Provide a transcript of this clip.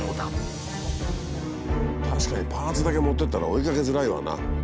確かにパーツだけ持ってったら追いかけづらいわな。